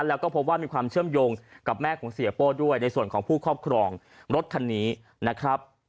แล้วก็พบว่ามีความเชื่อมโยงกับแม่ของเสียโป้ด้วยในส่วนของผู้ครอบครองรถคันนี้นะครับ